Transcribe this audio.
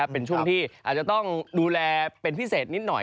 เป็นช่วงที่อาจจะต้องดูแลเป็นพิเศษนิดหน่อย